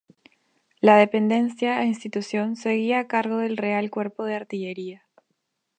La dependencia e instrucción seguía a cargo del Real Cuerpo de Artillería.